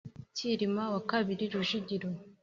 cyilima wa kabiri rujugira